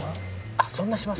あっそんなします？